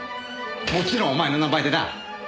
もちろんお前の名前でな。